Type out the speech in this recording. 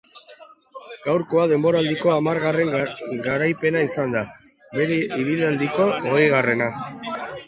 Gaurkoa denboraldiko hamargarren garaipena izan da, bere ibilaldiko hogeigarrena.